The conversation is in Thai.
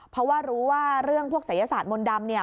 เพราะว่ารู้ว่าเรื่องพวกศัยศาสตร์มนต์ดำเนี่ย